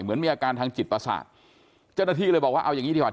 เหมือนมีอาการทางจิตประสาทเจ้าหน้าที่เลยบอกว่าเอาอย่างนี้ดีกว่า